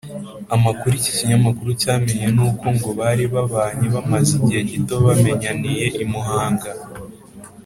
amakuru iki kinyamakuru cyamenye ni uko ngo bari babanye bamaze igihe gito bamenyaniye i muhanga